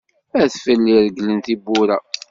Adfel iregglen tiwwura.